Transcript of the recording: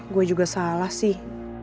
gue juga salah sih